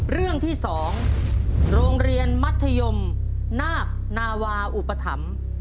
เรื่องที่๒โรงเรียนมัธยมนาคนาวาอุปถัมภ์